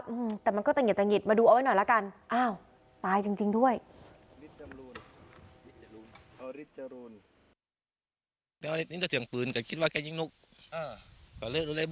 ว่าอืมแต่มันก็ต่างหยิดต่างหยิดมาดูเอาไว้หน่อยแล้วกันอ้าว